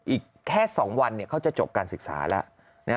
อีกแค่๒วันเขาจะจบการศึกษาแล้ว